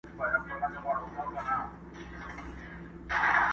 څوک یې ژړولي پرې یا وړی یې په جبر دی،